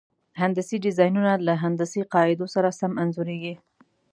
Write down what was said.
هندسي ډیزاینونه له هندسي قاعدو سره سم انځوریږي.